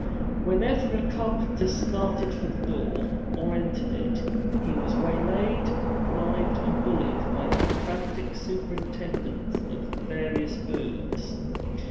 Whenever a carpenter started for the door, or entered it, he was waylaid, bribed, and bullied by the frantic superintendents of the various booths.